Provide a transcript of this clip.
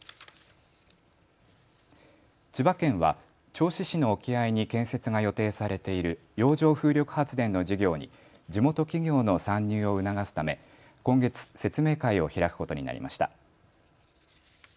千葉県は銚子市の沖合に建設が予定されている洋上風力発電の事業に地元企業の参入を促すため今月、説明会を開くことになりました。